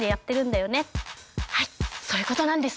「はいそういうことなんです！」